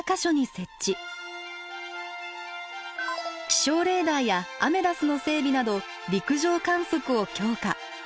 気象レーダーやアメダスの整備など陸上観測を強化。